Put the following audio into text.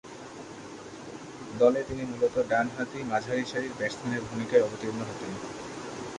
দলে তিনি মূলতঃ ডানহাতি মাঝারিসারির ব্যাটসম্যানের ভূমিকায় অবতীর্ণ হতেন।